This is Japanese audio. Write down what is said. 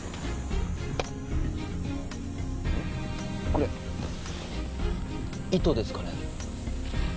これ糸ですかね？